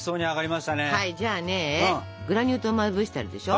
じゃあねグラニュー糖まぶしてあるでしょ？